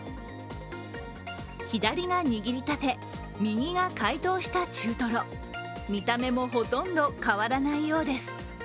左が握りたて、右が解凍した中とろ見た目もほとんど変わらないようです。